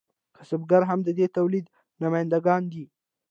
کسبګر هم د دې تولید نماینده ګان دي.